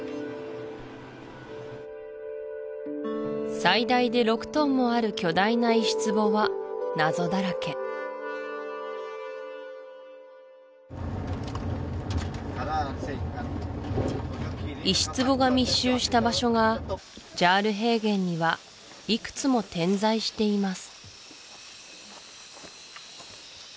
最大で６トンもある巨大な石壺は謎だらけ石壺が密集した場所がジャール平原にはいくつも点在しています